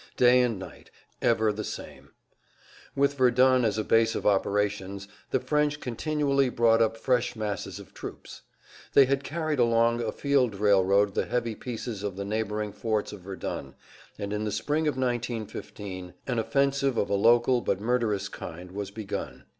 Day and night, ever the same. With Verdun as a base of operations the French continually[Pg 173] brought up fresh masses of troops. They had carried along a field railroad the heavy pieces of the neighboring forts of Verdun, and in the spring of 1915 an offensive of a local, but murderous kind was begun.